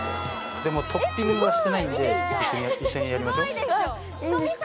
でもトッピングはしてないんで一緒にやりましょういいんですか？